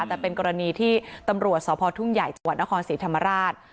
แต่เป็นกรณีที่ตำรวจสพทุ่งใหญ่จังหวัดนครศรีธรรมราช